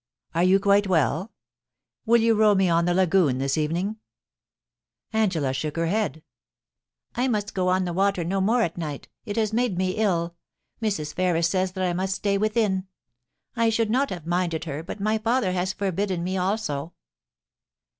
Are you quite well ? Will you row me on the lagoon this evening ?* Angela shook her head * I must go on the water no more at night ; it has made me ill. Mrs, Ferris says that I must stay within. I should not have minded her, but my father has forbidden me also.'